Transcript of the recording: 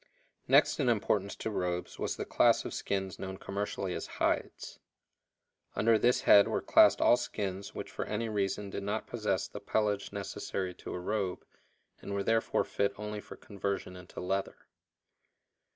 _ Next in importance to robes was the class of skins known commercially as hides. Under this head were classed all skins which for any reason did not possess the pelage necessary to a robe, and were therefore fit only for conversion into leather.